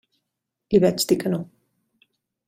Li vaig dir que no.